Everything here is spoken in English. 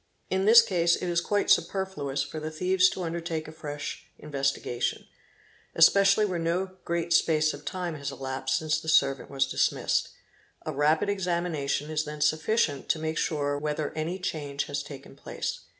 In this case it is quite £ superfluous for the thieves to undertake a fresh investigation, especially where no great space of time has elapsed since the servant was dismissed ; a rapid examination is then sufficient to make sure whether any change has taken place.